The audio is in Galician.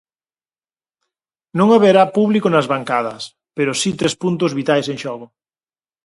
Non haberá público nas bancadas, pero si tres puntos vitais en xogo.